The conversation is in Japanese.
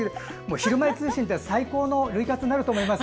「ひるまえ通信」って最高の涙活になると思います。